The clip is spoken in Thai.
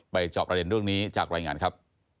จอบประเด็นเรื่องนี้จากรายงานครับ